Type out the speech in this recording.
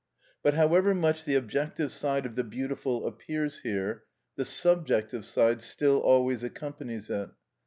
But however much the objective side of the beautiful appears here, the subjective side still always accompanies it.